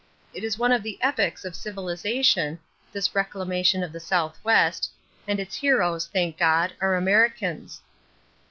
It is one of the epics of civilization, this reclamation of the Southwest, and its heroes, thank God, are Americans.